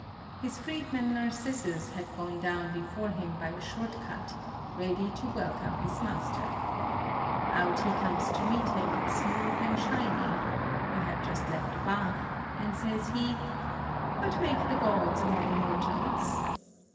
[Footnote: By the Cloaca?] His freedman Narcissus had gone down before him by a short cut, ready to welcome his master. Out he comes to meet him, smooth and shining (he had just left the bath), and says he: "What make the gods among mortals?"